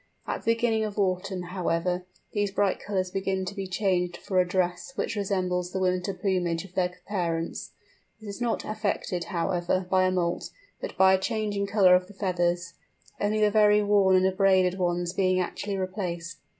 At the beginning of autumn, however, these bright colours begin to be changed for a dress which resembles the winter plumage of their parents. This is not effected, however, by a moult, but by a change in colour of the feathers, only the very worn and abraded ones being actually replaced.